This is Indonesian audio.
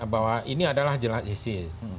bahwa ini adalah jelas isis